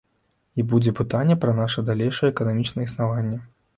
І будзе пытанне пра наша далейшае эканамічнае існаванне.